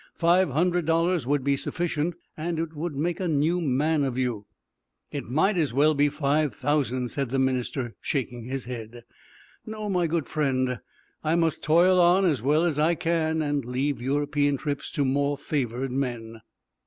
"Five hundred dollars would be sufficient, and it would make a new man of you." "It might as well be five thousand," said the minister, shaking his head. "No, my good friend, I must toil on as well as I can, and leave European trips to more favored men."